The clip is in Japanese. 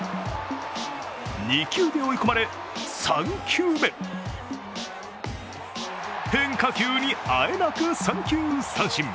２球で追い込まれ、３球目変化球にあえなく三球三振。